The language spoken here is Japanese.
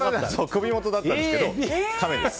首元だったんですけどカメです。